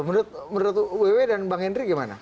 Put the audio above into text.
menurut ww dan bang henry gimana